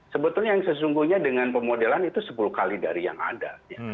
sebetulnya yang sesungguhnya dengan pemodelan itu sepuluh kali dari yang ada